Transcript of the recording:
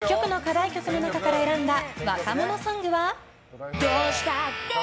そんな石木さんが１０曲の課題曲の中から選んだ若者ソングは。